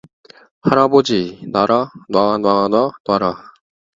"할아버지! 놔라, 놔, 놔, 놔, 놔라."